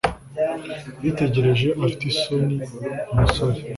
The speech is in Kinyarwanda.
Yitegereje afite isoni umusore.